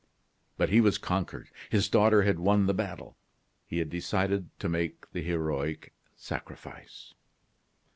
But he was conquered; his daughter had won the battle. He had decided to make the heroic sacrifice.